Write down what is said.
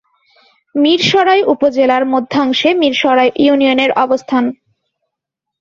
মীরসরাই উপজেলার মধ্যাংশে মীরসরাই ইউনিয়নের অবস্থান।